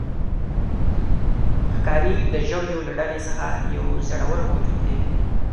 ښکاري د ژویو له ډلې څخه یو زړور موجود دی.